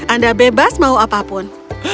anda bebas mau apapun